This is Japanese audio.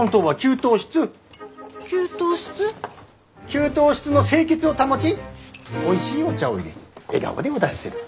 給湯室の清潔を保ちおいしいお茶をいれ笑顔でお出しする。